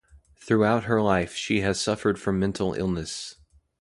Throughout her life she suffered from mental illness.